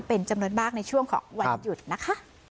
เป็นจำนวนมากในช่วงของวันหยุดนะคะ